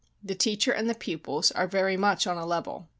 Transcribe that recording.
The teacher and the pupils are very much on a level.